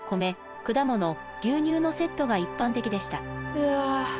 うわ。